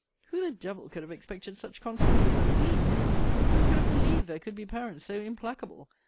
Who the devil could have expected such consequences as these? Who could have believe there could be parents so implacable?